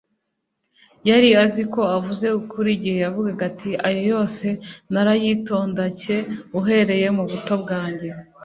Yari azi ko avuze ukuri igihe yavugaga ati: «Ayo yose narayitondcye uhereye mu buto bwanjye."